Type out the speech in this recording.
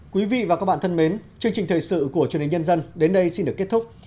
quý vị và các bạn thân mến chương trình thời sự của truyền hình nhân dân đến đây xin được kết thúc